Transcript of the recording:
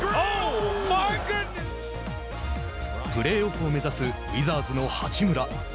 プレーオフを目指すウィザーズの八村。